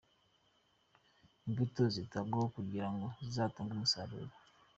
Imbuto zitabwaho kugira ngo zizatange umusaruro.